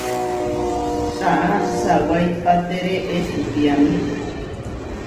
Taʼá sawaipatére ečitiáme.